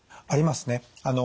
ありますね。